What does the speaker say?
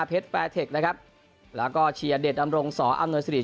เพชรแฟร์เทคนะครับแล้วก็เชียร์เด็ดอำโรงศออำโนยศรี